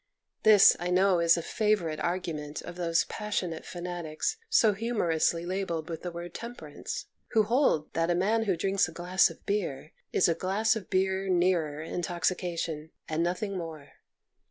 This, I know, is a favourite argument of those passionate fanatics so humorously labelled with the word temperance, who hold that a man who drinks a glass of beer is a glass of beer nearer intoxication and nothing more.